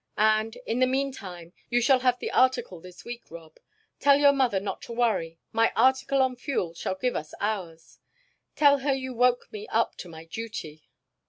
"And in the meantime you shall have the article this week, Rob. Tell your mother not to worry; my article on fuel shall give us ours. Tell her you woke me up to my duty."